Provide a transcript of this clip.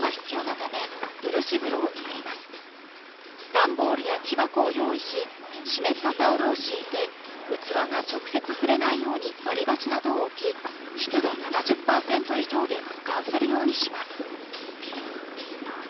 段ボールや木箱を用意し湿ったタオルを敷いて器が直接触れないように割り箸などを置き湿度７０％以上で保管するようにします。